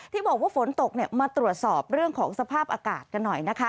ที่บอกว่าฝนตกมาตรวจสอบเรื่องของสภาพอากาศกันหน่อยนะคะ